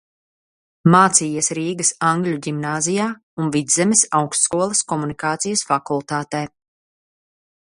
Mācījies Rīgas Angļu ģimnāzijā un Vidzemes Augstskolas komunikācijas fakultātē.